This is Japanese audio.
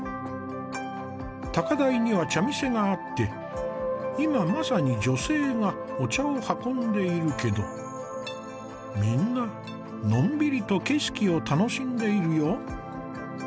高台には茶店があって今まさにお茶を運んでいるけどみんなのんびりと景色を楽しんでいるよ。